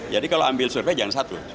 jadi kalau ambil survei jangan satu